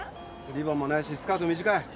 リボンもないしスカート短い。